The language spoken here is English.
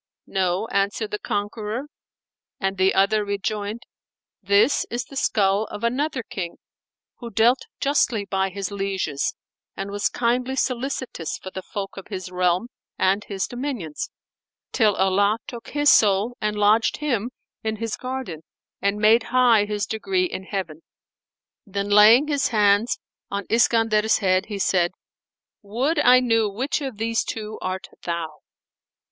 "No," answered the conqueror; and the other rejoined, "This is the skull of another King, who dealt justly by his lieges and was kindly solicitous for the folk of his realm and his dominions, till Allah took his soul and lodged him in His Garden and made high his degree in Heaven." Then laying his hands on Iskandar's head he said, "Would I knew which of these two art thou."